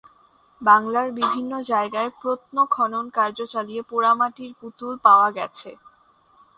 বাংলার বিভিন্ন জায়গায় প্রত্ন খনন কার্য চালিয়ে পোড়া মাটির পুতুল পাওয়া গেছে।